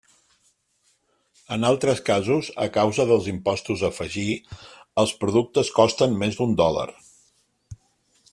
En altres casos, a causa dels impostos a afegir, els productes costen més d'un dòlar.